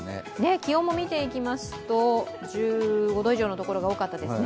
気温も見ていきますと、１５度以上の所が多かったですね。